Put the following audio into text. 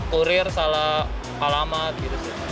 kurir salah alamat gitu sih